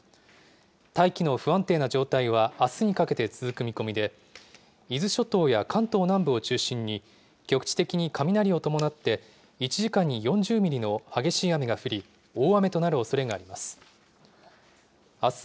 大気の不安定な状態はあすにかけて続く見込みで、伊豆諸島や関東南部を中心に局地的に雷を伴って１時間に４０ミリの激しい雨が降り、大雨となるおそれがあります。